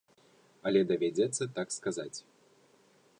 Але давядзецца так сказаць.